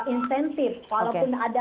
insentif walaupun ada